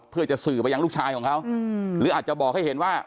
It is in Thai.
เพื่อจะสื่อไปยังลูกชายของเขาหรืออาจจะบอกให้เห็นว่า